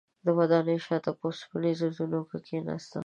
د ودانۍ شاته په اوسپنیزو زینو کې کیناستم.